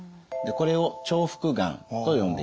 これを重複がんと呼んでいます。